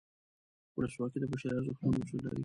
ولسواکي د بشري ارزښتونو اصول لري.